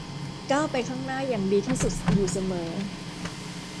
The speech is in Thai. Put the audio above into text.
ก้าวไปข้างหน้าอย่างดีที่สุดอยู่เสมอ